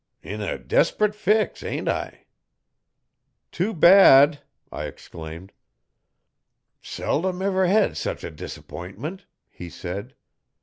'In a desp'rit fix, ain't I?' 'Too bad!' I exclaimed. 'Seldom ever hed sech a disapp'intment,' he said.